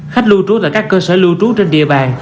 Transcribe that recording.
khách lưu trú tại các cơ sở lưu trú trên địa bàn